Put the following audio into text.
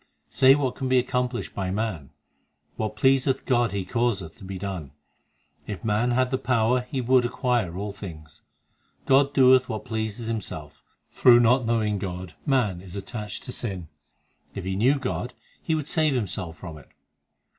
3 Say what can be accomplished by man ; What pleaseth God He causeth to be done ; If man had the power he would acquire all things. 2 God doeth what pleaseth Himself, Through not knowing God man is attached to sin ; If he knew God, he would save himself from it.